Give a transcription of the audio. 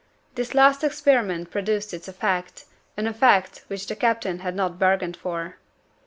This last experiment produced its effect an effect which the captain had not bargained for.